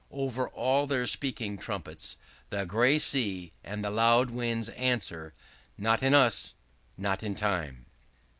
Over all their speaking trumpets the gray sea and the loud winds answer, Not in us; not in Time."